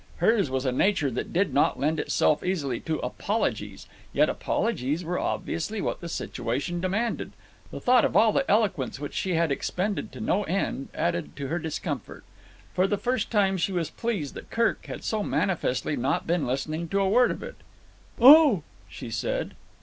Hers was a nature that did not lend itself easily to apologies, yet apologies were obviously what the situation demanded. The thought of all the eloquence which she had expended to no end added to her discomfort. For the first time she was pleased that Kirk had so manifestly not been listening to a word of it. "Oh!" she said.